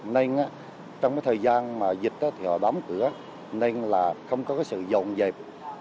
nên trong thời gian dịch thì họ đóng cửa nên là không có sự dọn dẹp